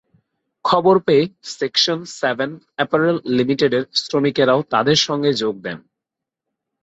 খবর পেয়ে section seven apparel লিমিটেডের শ্রমিকেরাও তাঁদের সঙ্গে যোগ দেন।